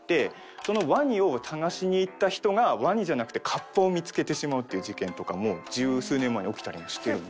そのワニを探しに行った人がワニじゃなくて河童を見付けてしまうっていう事件とかも十数年前に起きたりもしてるんで。